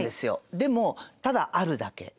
でもただあるだけ。